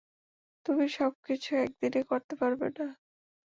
তুমি সব কিছু এক দিনে করতে পারবে না!